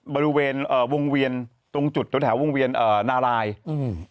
บริเวณเอ่อวงเวียนตรงจุดแถวแถววงเวียนเอ่อนารายอืม